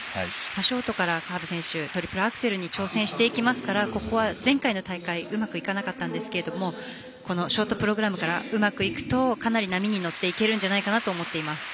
ショートから河辺選手トリプルアクセルに挑戦していきますからここは前回の大会うまくいかなかったんですけどもショートプログラムからうまくいくとかなり波に乗っていけるんじゃないかなと思っています。